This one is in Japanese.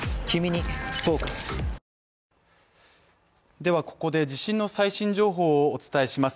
ではここで地震の最新情報をお伝えします。